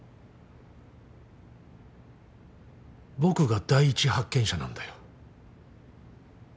僕が第一発見者なんだよ。